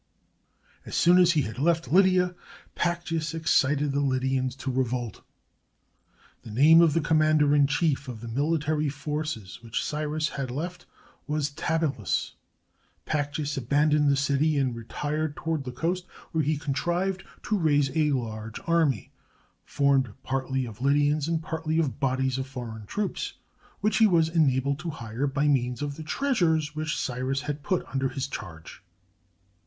As soon as he had left Lydia, Pactyas excited the Lydians to revolt. The name of the commander in chief of the military forces which Cyrus had left was Tabalus. Pactyas abandoned the city and retired toward the coast, where he contrived to raise a large army, formed 520 THE FALL OF BABYLON partly of Lydians and partly of bodies of foreign troops, which he was enabled to hire by means of the treasures which Cyrus had put under his charge.